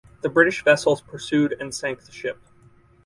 The British vessels pursued and sank the ship.